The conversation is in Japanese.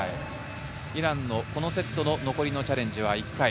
イランのこのセットの残りのチャレンジは１回。